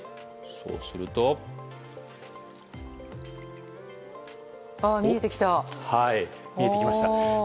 そうすると、見えてきましたね。